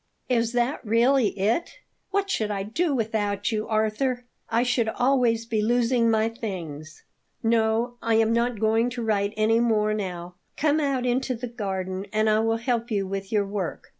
"Is that really it? What should I do without you, Arthur? I should always be losing my things. No, I am not going to write any more now. Come out into the garden, and I will help you with your work.